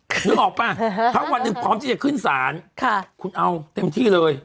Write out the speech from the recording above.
นึกออกป่ะถ้าวันหนึ่งพร้อมที่จะขึ้นศาลคุณเอาเต็มที่เลย